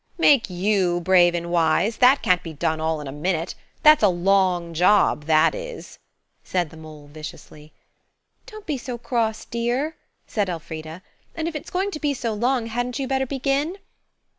"Make you brave and wise? That can't be done all in a minute. That's a long job, that is," said the mole viciously. "Don't be so cross, dear," said Elfrida; "and if it's going to be so long hadn't you better begin?"